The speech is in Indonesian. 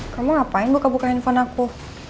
kamu ngapain buka buka handphone aku